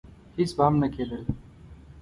هېڅ به هم نه کېدل.